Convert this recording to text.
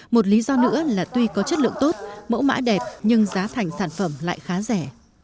một lý do nữa là tuy có chất lượng tốt mẫu mã đẹp nhưng giá thành sản phẩm lại khá rẻ